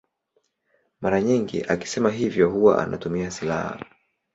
Mara nyingi akisema hivyo huwa anatumia silaha.